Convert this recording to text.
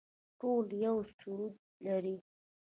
ټول یو سرود لري